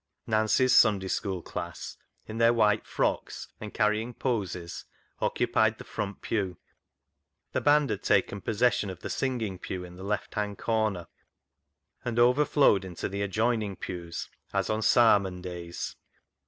Nancy's Sunday School class, in their white frocks, and carrying " posies," occupied the front pew. The band had taken possession of the singing pew in the left hand corner, and overflowed into the adjoining pews, as on " Sarmon " days.